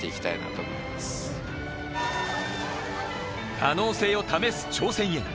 可能性を試す挑戦へ。